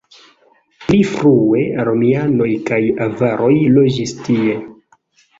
Pli frue romianoj kaj avaroj loĝis tie.